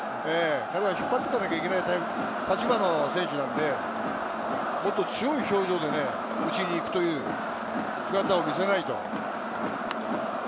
引っ張っていかなきゃいけない立場の選手なので、もっと強い表情で打ちにいくという姿を見せないと。